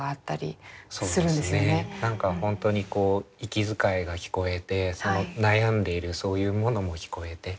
何か本当にこう息遣いが聞こえてその悩んでいるそういうものも聞こえて。